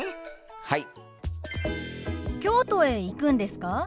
はい。